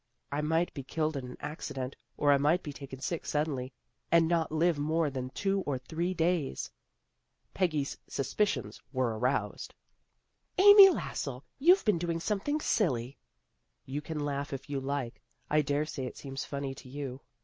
" I might be killed in an accident. Or I might be taken sick sud denly, and not live more than two or three days." Peggy's suspicions were aroused. " Amy Lassell, you've been doing something silly." " You can laugh if you like. I dare say it seems funny to you."